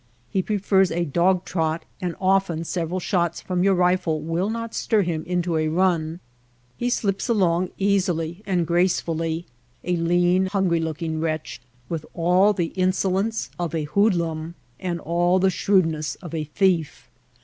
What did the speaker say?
He prefers a dog trot and often several shots from your rifle will not stir him into a run. He slips along easily and gracefully — a lean, hungry looking wretch with all the insolence of a hood lum and all the shrewdness of a thief.